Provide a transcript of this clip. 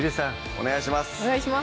お願いします